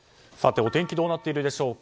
お天気どうなっているでしょうか。